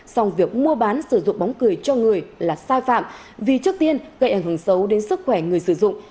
song việc mua bán sử dụng bóng cười cho người là sai phạm vì trước tiên gây ảnh hưởng xấu đến sức khỏe người sử dụng